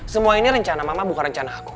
semua ini rencana mama bukan rencana aku